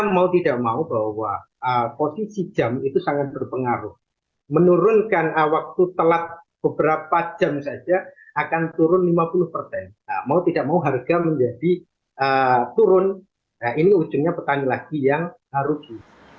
mau tidak mau harga menjadi turun ini ujungnya pertanyaan lagi yang harugi